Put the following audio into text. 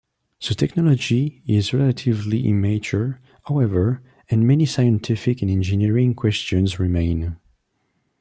The technology is relatively immature, however, and many scientific and engineering questions remain.